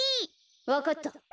わかった。